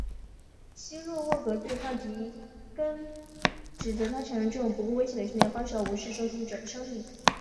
基洛沃格对抗迪根并指责他采用这种不顾危险的训练方式而无视受训者的生命。